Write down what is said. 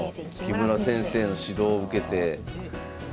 木村先生の指導を受けて。